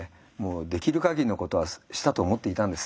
できる限りのことはしたと思っていたんです。